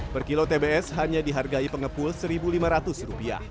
per kilo tbs hanya dihargai pengepul rp satu lima ratus